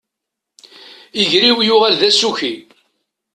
Iger-iw yuɣal d asuki.